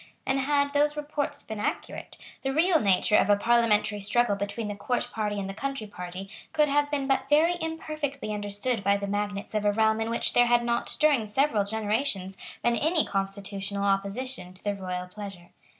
And, had those reports been accurate, the real nature of a Parliamentary struggle between the Court party and the Country party could have been but very imperfectly understood by the magnates of a realm in which there had not, during several generations, been any constitutional opposition to the royal pleasure.